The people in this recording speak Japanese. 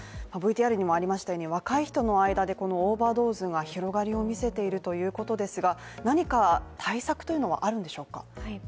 ＶＴＲにもありましたように若い人の間でこのオーバードーズが広がりを見せているということですが何か対策というのはあるんでしょうか。